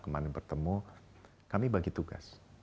kemarin bertemu kami bagi tugas